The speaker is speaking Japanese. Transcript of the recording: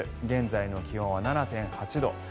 現在の気温は７．８度。